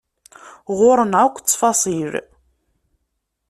Ɣur-neɣ akk ttfaṣil.